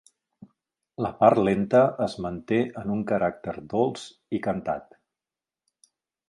La part lenta es manté en un caràcter dolç i cantat.